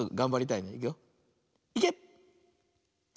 いけ！